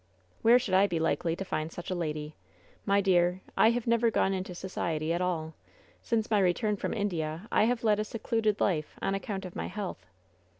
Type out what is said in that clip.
"Where should I be likely to find such a lady? My dear, I have never gone into society at all. Since my return from India I have led a secluded life, on account of my health."